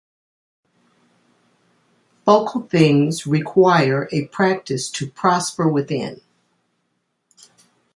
Focal things require a practice to prosper within.